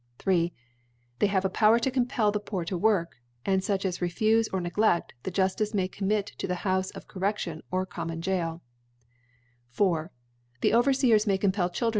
III. They ( 53 ) III. They have a Power to compel the Poor to work ; and fuch as refufe or nc gleft, the Juilice may commit to the Houfe of Correftion or common Gaol, IV. The Overfeers may compel Children.